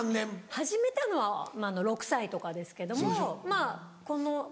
始めたのは６歳とかですけどもまぁこの。